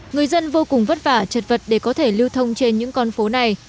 người dân vô cùng vất vả trật vật để có thể lưu thông trên những con phố này